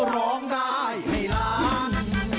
ร้องได้ให้ล้าน